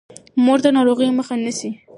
مور د ناروغۍ مخه نیسي.